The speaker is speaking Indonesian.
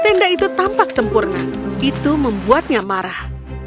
tenda itu tampak sempurna itu membuatnya marah